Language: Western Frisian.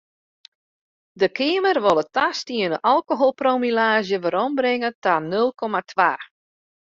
De Keamer wol it tastiene alkoholpromillaazje werombringe ta nul komma twa.